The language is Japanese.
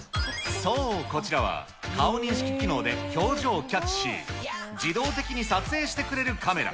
そう、こちらは顔認識機能で表情をキャッチし、自動的に撮影してくれるカメラ。